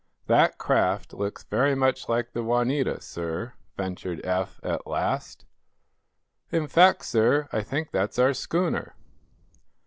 "That craft looks very much like the 'Juanita,' sir," ventured Eph, at last. "In fact, sir, I think that's our schooner."